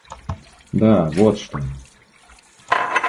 Да, вот что!